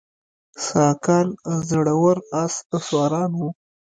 ساکان زړور آس سواران وو